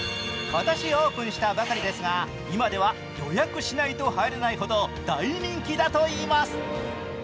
今年オープンしたばかりですが、今では予約しないと入れないほど大人気だといいます。